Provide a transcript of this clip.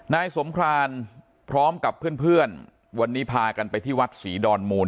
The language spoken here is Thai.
นายสงครานพร้อมกับเพื่อนวันนี้พากันไปที่วัดศรีดอนมูล